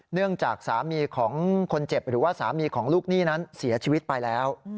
เนื่องจากสามีของคนเจ็บหรือว่าสามีของลูกหนี้นั้นเสียชีวิตไปแล้ว